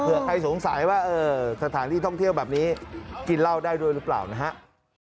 เพื่อใครสงสัยว่าสถานที่ท่องเที่ยวแบบนี้กินเหล้าได้ด้วยหรือเปล่านะครับ